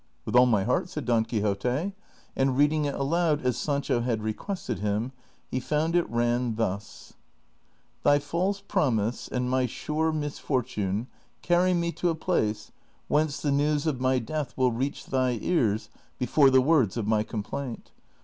" With all my heart," said Don Quixote, and reading it aloud as Sancho had requested him, he found it ran thus : Till/ false promise and iny sure misfortune carry me to a place whence the news of my death will reach thy ears before the tvords of my complaint.